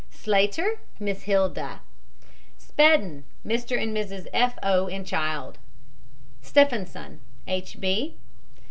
SLAYTER, MISS HILDA. SPEDDEN, MR. AND MRS. F. O., and child. STEFFANSON, H. B.